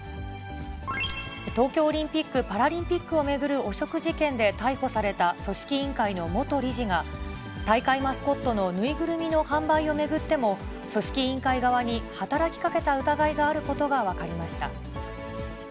東京オリンピック・パラリンピックを巡る汚職事件で逮捕された組織委員会の元理事が、大会マスコットの縫いぐるみの販売を巡っても、組織委員会側に働きかけた疑いがあることが分かりました。